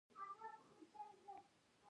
د نعناع وچول څنګه وکړم؟